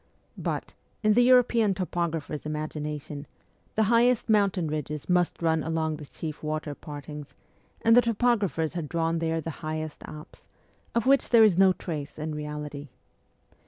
But, in the European topographer's imagination, the highest mountain ridges must run along the chief water partings, and the topographers had drawn there the highest Alps, of which there is no trace in reality.